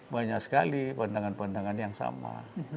banyak sekali pandangan pandangan yang sama